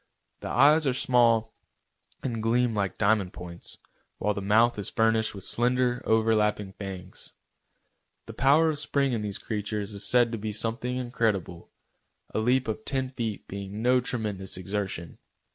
The eyes are small and gleam like diamond points, while the mouth is furnished with slender, overlapping fangs. The power of spring in these creatures is said to be something incredible, a leap of ten feet being no tremendous exertion.